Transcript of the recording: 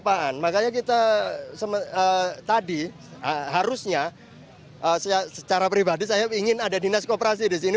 makanya kita tadi harusnya secara pribadi saya ingin ada dinas kooperasi di sini